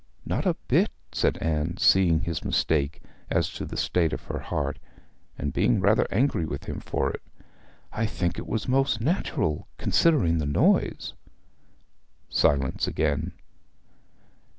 'Not a bit,' said Anne, seeing his mistake as to the state of her heart, and being rather angry with him for it. 'I think it was most natural, considering the noise.' Silence again.